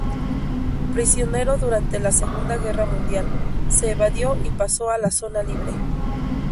Prisionero durante la segunda guerra mundial, se evadió y pasó a la zona libre.